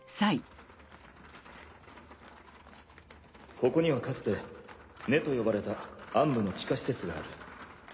ここにはかつて根と呼ばれた暗部の地下施設がある。